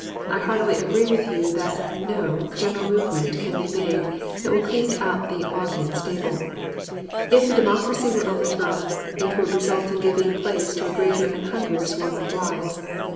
I heartily agree with you that [no] general movement can be made that will clean out the Augean stable. If the Democracy were overthrown, it would result in giving place to a greater and hungrier swarm of flies.